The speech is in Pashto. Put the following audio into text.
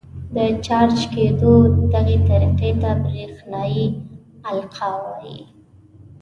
د چارج کېدو دغې طریقې ته برېښنايي القاء وايي.